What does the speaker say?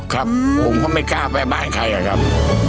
ครับผมก็ไม่กล้าไปบ้านใครอะครับ